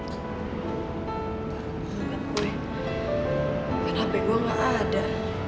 karena hp gue gak ada